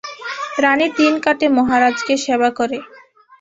রাণীর দিন কাটে মহারাজকে সেবা করে।